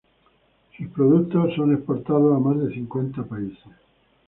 Sus productos son exportados a más de cincuenta países.